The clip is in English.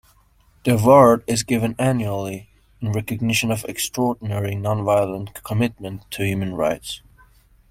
The award is given annually in recognition of extraordinary, non-violent commitment to human rights.